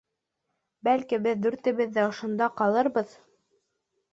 Бәлки, беҙ дүртебеҙ ҙә ошонда ҡалырбыҙ?